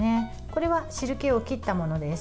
これは汁けを切ったものです。